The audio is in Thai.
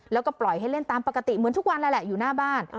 แล้วก็ปล่อยให้เล่นตามปกติเหมือนทุกวันแล้วแหละอยู่หน้าบ้าน